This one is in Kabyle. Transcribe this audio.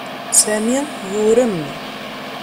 Sami yurem.